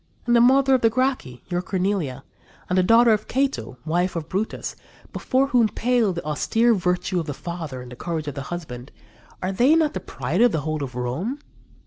And the mother of the Gracchi, your Cornelia, and the daughter of Cato, wife of Brutus, before whom pale the austere virtue of the father and the courage of the husband are they not the pride of the whole of Rome?